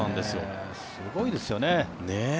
すごいですよね。